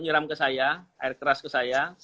nyiram ke saya air keras ke saya